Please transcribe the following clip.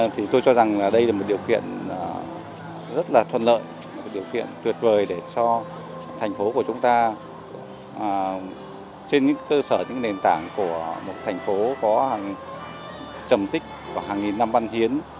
thì tôi cho rằng đây là một điều kiện rất là thuận lợi một điều kiện tuyệt vời để cho thành phố của chúng ta trên những cơ sở những nền tảng của một thành phố có hàng trầm tích và hàng nghìn năm văn hiến